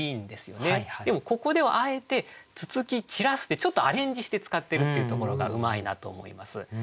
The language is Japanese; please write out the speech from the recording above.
でもここではあえて「つつき散らす」ってちょっとアレンジして使ってるっていうところがうまいなと思います。